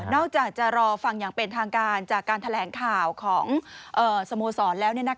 อกจากจะรอฟังอย่างเป็นทางการจากการแถลงข่าวของสโมสรแล้ว